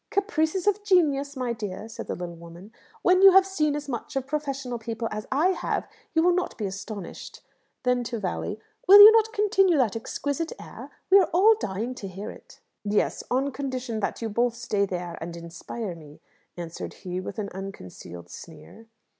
"Caprices of genius, my dear," said the little woman. "When you have seen as much of professional people as I have, you will not be astonished." Then to Valli, "Will you not continue that exquisite air? We are all dying to hear it." "Yes; on condition that you both stay there and inspire me," answered he, with an unconcealed sneer.